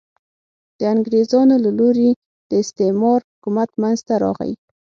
د انګرېزانو له لوري د استعمار حکومت منځته راغی.